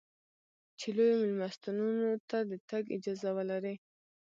چې لویو مېلمستونو ته د تګ اجازه ولرې.